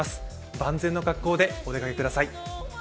万全の格好でお出かけください。